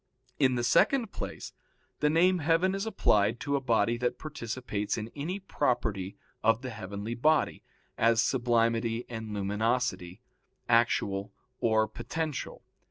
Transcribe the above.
In the second place, the name heaven is applied to a body that participates in any property of the heavenly body, as sublimity and luminosity, actual or potential.